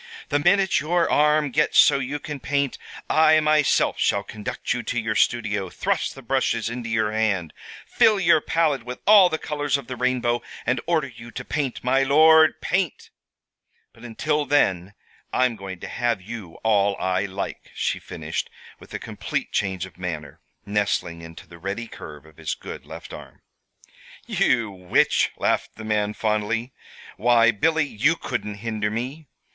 "The minute your arm gets so you can paint, I myself shall conduct you to your studio, thrust the brushes into your hand, fill your palette with all the colors of the rainbow, and order you to paint, my lord, paint! But until then I'm going to have you all I like," she finished, with a complete change of manner, nestling into the ready curve of his good left arm. "You witch!" laughed the man, fondly. "Why, Billy, you couldn't hinder me.